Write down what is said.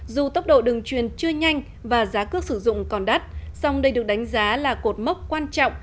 dù tốc độ đường truyền chưa nhanh và giá cước sử dụng còn đắt song đây được đánh giá là cột mốc quan trọng